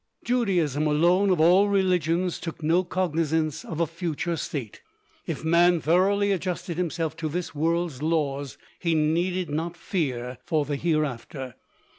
Judaism alone, of all religions, took no cognizance of a future state. If man thoroughly adjusted himself to this world's laws, he needed not fear for the hereafter.